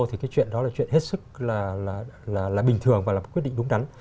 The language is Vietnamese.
thì cái chuyện đó là chuyện hết sức là bình thường và là một quyết định đúng đắn